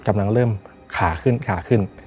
กำลังเริ่มขาขึ้นขาขึ้น